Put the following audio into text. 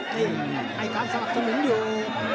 อืมให้การสมัครสมัครอยู่